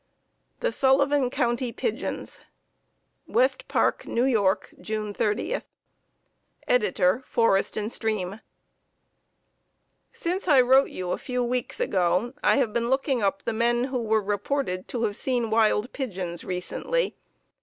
THE SULLIVAN COUNTY PIGEONS West Park, N. Y., June 30th. Editor Forest and Stream: Since I wrote you a few weeks ago, I have been looking up the men who were reported to have seen wild pigeons recently.